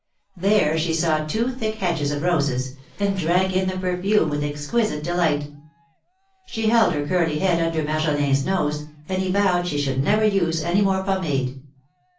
There she saw two thick hedges of roses, and drank in the perfume with exquisite delight. She held her curly head under Marjolin's nose, and he vowed she should never use any more pomade.